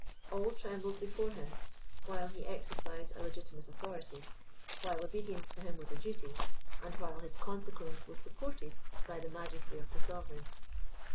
All trembled before him, while he exercised a legitimate authority, while obedience to him was a duty, and while his consequence was supported by the majesty of the sovereign.